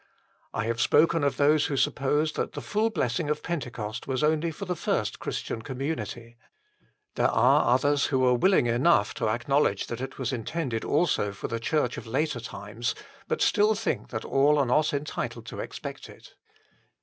I have spoken of those who suppose that the full blessing of Pentecost was only for the first Christian community. There are others who are willing enough to acknowledge that it was intended also for the Church of later times but still think that all are not entitled to expect it.